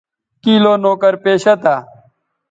کیں لو نوکر پیشہ تھا